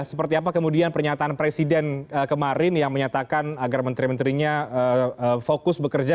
seperti apa kemudian pernyataan presiden kemarin yang menyatakan agar menteri menterinya fokus bekerja